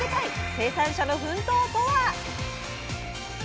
生産者の奮闘とは？